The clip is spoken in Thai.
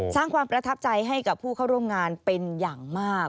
สร้างความประทับใจให้กับผู้เข้าร่วมงานเป็นอย่างมาก